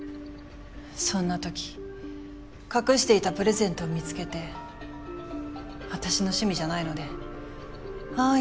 そんな時隠していたプレゼントを見つけて私の趣味じゃないのでああ